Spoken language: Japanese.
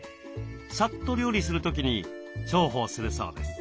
さっと料理する時に重宝するそうです。